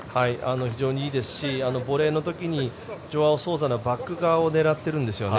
非常にいいですしボレーの時にジョアオ・ソウザのバック側を狙っているんですよね。